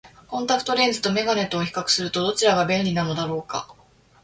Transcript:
コンタクトレンズと眼鏡とを比較すると、どちらが便利なのだろうか。